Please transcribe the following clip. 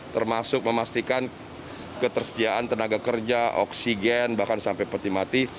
termasuk memastikan ketersediaan tenaga kerja oksigen bahkan sampai peti mati